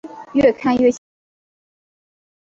越看越起劲